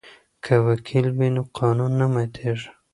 که وکیل وي نو قانون نه ماتیږي.